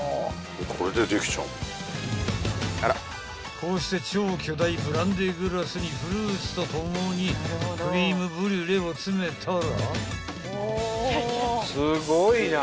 ［こうして超巨大ブランデーグラスにフルーツと共にクリームブリュレを詰めたら］